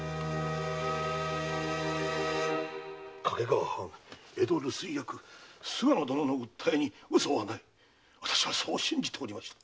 掛川藩江戸留守居役菅野殿の訴えに嘘はない私はそう信じておりました。